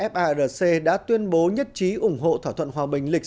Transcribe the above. firc đã tuyên bố nhất trí